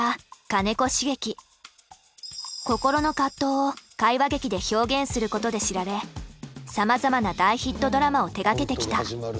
心の葛藤を会話劇で表現することで知られさまざまな大ヒットドラマを手がけてきた。